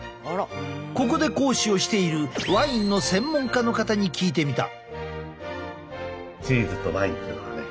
ここで講師をしているワインの専門家の方に聞いてみた。